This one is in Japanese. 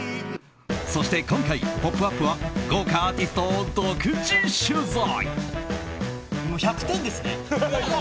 そして、今回「ポップＵＰ！」は豪華アーティストを独自取材。